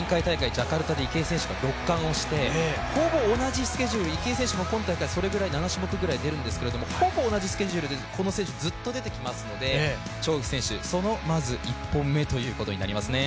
ジャカルタで池江選手が６冠をしてほぼ同じスケジュール、池江選手も今大会、７種目ぐらい出るんですが、ほぼ同じスケジュールでこの選手、ずっと出てきますので張選手、まずその１本目ということになりますね。